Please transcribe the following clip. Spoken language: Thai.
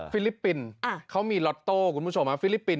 ลิปปินส์เขามีล็อตโต้คุณผู้ชมฟิลิปปินส